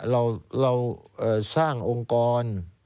เราสร้างองค์กร